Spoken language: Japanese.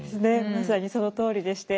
まさにそのとおりでして。